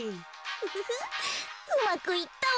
ウフフうまくいったわ。